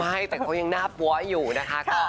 ใช่แต่เขายังหน้าปั๊วอยู่นะคะ